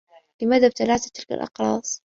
لماذا ابتلعت تلك الأقراص؟